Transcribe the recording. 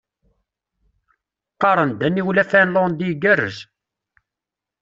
Qqaren-d aniwel afinlandi igerrez.